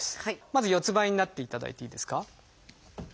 まず四つんばいになっていただいていいですか。